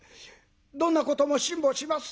どんなことも辛抱します。